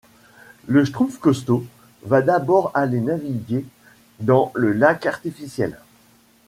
Le Schtroumpf costaud va d'abord aller naviguer dans le lac artificiel.